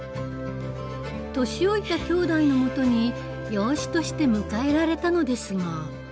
年老いたきょうだいのもとに養子として迎えられたのですが。